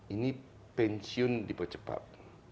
ini pensiun di percepat